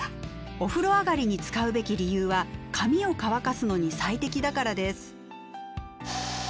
お風呂上がりに使うべき理由は髪を乾かすのに最適だからです。